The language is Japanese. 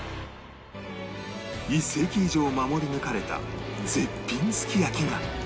１世紀以上守り抜かれた絶品すき焼きが